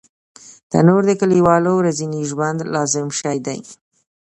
تنور د کلیوالو ورځني ژوند لازم شی دی